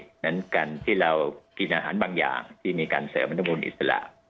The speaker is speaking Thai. เหมือนกันที่เรากินอาหารบางอย่างที่มีการเสริมอนุมูลอิสระ